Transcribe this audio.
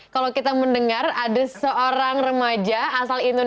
kalau kita mendengar ada seorang remaja